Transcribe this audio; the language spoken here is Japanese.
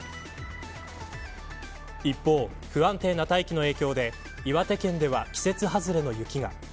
一方、不安定な大気の影響で岩手県では季節外れの雪が。